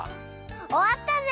おわったぜ！